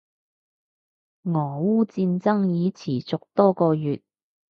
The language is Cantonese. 俄烏戰爭已持續多個月